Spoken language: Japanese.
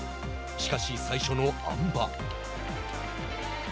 しかし、最初のあん馬。